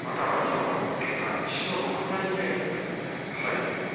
阿炎の番付が西の６枚目なんですよね。